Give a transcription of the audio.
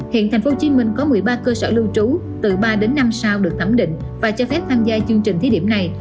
hiện tp hcm có một mươi ba cơ sở lưu trú từ ba đến năm sao được thẩm định và cho phép tham gia chương trình thí điểm này